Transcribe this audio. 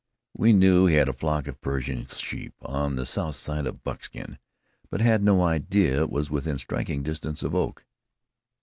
We knew he had a flock of Persian sheep on the south slope of Buckskin, but had no idea it was within striking distance of Oak.